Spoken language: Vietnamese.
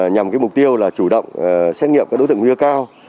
nhằm mục tiêu là chủ động xét nghiệm các đối tượng nguy cơ cao